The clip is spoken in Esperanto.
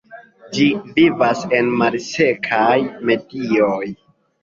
Ĝi vivas en malsekaj medioj.